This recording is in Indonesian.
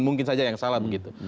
mungkin saja yang salah begitu